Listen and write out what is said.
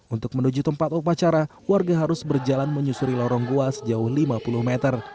untuk menuju tempat upacara warga harus berjalan menyusuri lorong goa sejauh lima puluh meter